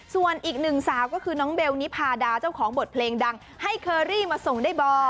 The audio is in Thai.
ส่วนอีกหนึ่งสาวก็คือน้องเบลนิพาดาเจ้าของบทเพลงดังให้เคอรี่มาส่งได้บ่